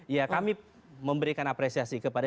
ya kami memberikan apresiasi kepada